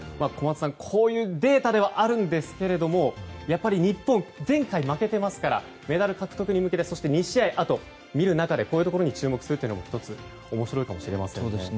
小松さん、こういうデータではあるんですがやっぱり日本前回負けていますからメダル獲得に向けてあと２試合ある中でこういうところに注目するのも面白いかもしれません。